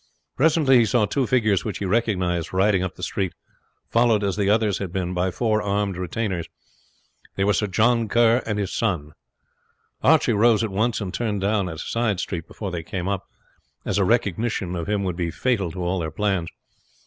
Presently he saw two figures which he recognized riding up the street, followed, as the others had been by four armed retainers. They were Sir John Kerr and his son. Archie rose at once, and turned down at a side street before they came up, as a recognition of him would be fatal to all their plans.